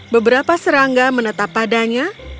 beberapa serangga menetap padanya